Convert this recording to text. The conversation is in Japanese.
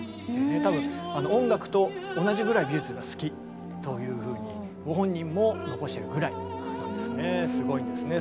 多分音楽と同じぐらい美術が好きというふうにご本人も残しているぐらいなんですね。